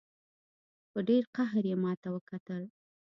په ډېر قهر یې ماته وکتل.